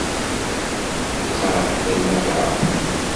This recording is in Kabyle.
Ur ttɛeṭṭil ara!